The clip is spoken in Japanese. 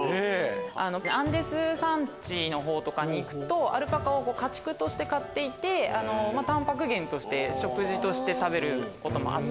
アンデス山地のほうに行くとアルパカを家畜として飼っていてタンパク源食事として食べることもあって。